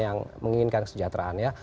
yang menginginkan kesejahteraan ya